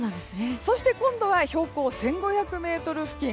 そして今度は標高１５００ｍ付近。